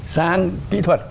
sang kỹ thuật